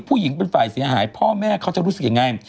ผู้หญิงเป็นฝ่ายเสียหายพ่อแม่เขาจะรู้สึกยังไง